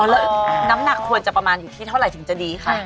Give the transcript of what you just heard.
แล้วน้ำหนักควรจะประมาณอยู่ที่เท่าไหร่ถึงจะดีค่ะ